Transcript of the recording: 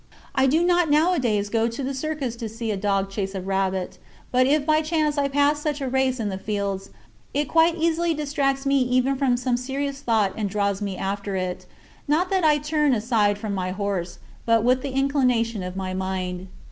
I do not nowadays go to the circus to see a dog chase a rabbit, but if by chance I pass such a race in the fields, it quite easily distracts me even from some serious thought and draws me after it not that I turn aside with my horse, but with the inclination of my mind.